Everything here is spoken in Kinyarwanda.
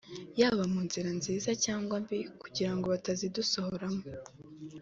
yaba mu nzira nziza cyangwa mbi kugira ngo batazidusohoramo